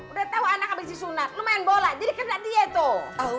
udah tahu anak habis disunat lu main bola jadi kena dia tuh